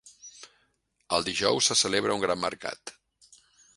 Els dijous se celebra un gran mercat.